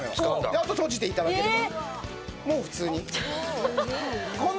あとは閉じていただければ。